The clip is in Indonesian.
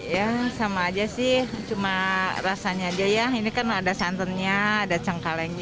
ya sama aja sih cuma rasanya aja ya ini kan ada santannya ada cengkalengnya